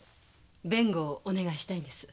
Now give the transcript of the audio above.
弁護をお願いしたいんです。